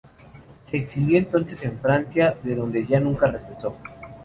Se exilió entonces en Francia, de donde ya nunca regresó.